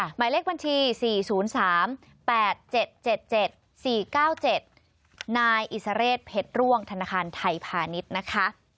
หมายเลขบัญชี๔๐๓๘๗๗๔๙๗นายอิสเรศเพชร่วงธนาคารไทยพาณิชย์นะคะ